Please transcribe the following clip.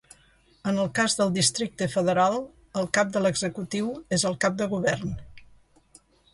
En el cas del Districte Federal, el cap de l'executiu és el Cap de Govern.